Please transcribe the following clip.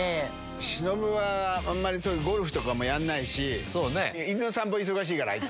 忍は、あんまりそういう、ゴルフとかもやんないし、犬の散歩忙しいから、あいつ。